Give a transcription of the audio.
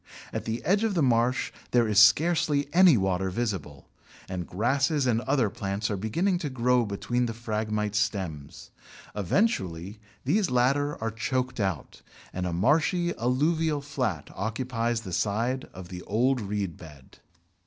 At the edge of the marsh there is scarcely any water visible, and grasses and other plants are beginning to grow between the Phragmites stems. Eventually these latter are choked out, and a marshy alluvial flat occupies the site of the old reed bed.